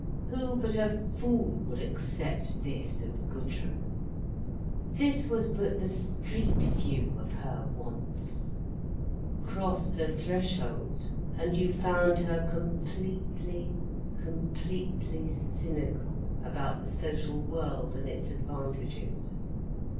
Who but a fool would accept this of Gudrun? This was but the street view of her wants. Cross the threshold, and you found her completely, completely cynical about the social world and its advantages.